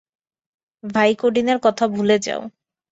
ভাইকোডিনের কথা ভুলে যাও।